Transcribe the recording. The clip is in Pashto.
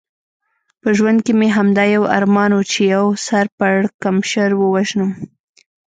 په ژوند کې مې همدا یو ارمان و، چې یو سر پړکمشر ووژنم.